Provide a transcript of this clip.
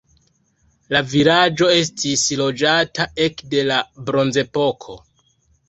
La vilaĝo estis loĝata ekde la bronzepoko.